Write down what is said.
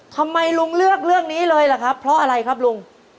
ทำไมลุงเลือกเรื่องนี้เลยล่ะครับเพราะอะไรครับลุง